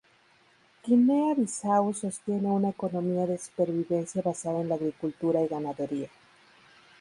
Guinea-Bisáu sostiene una economía de supervivencia basada en la agricultura y ganadería.